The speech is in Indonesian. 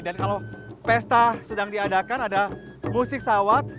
dan kalau pesta sedang diadakan ada musik sawat